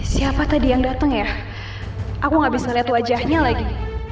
siapa tadi yang datang ya aku gak bisa lihat wajahnya lagi